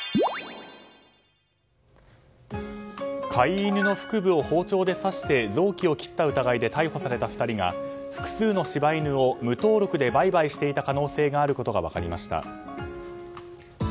飼い犬の腹部を包丁で刺して臓器を切った疑いで逮捕された２人が複数の柴犬を無登録で売買していた可能性があることが分かりました。